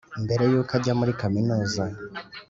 mbere y’uko ajya muri kaminuza.